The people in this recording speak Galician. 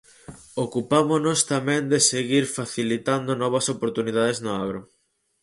Ocupámonos tamén de seguir facilitando novas oportunidades no agro.